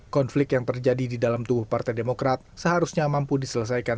konflik yang terjadi di dalam tubuh partai demokrat seharusnya mampu diselesaikan